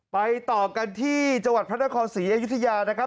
ไปต่อกันที่จังหวัดพระนครศรีอยุธยานะครับ